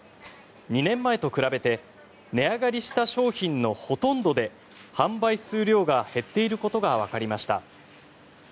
２年前と比べて値上がりした商品のほとんどで販売数量が減っていることがわかりました。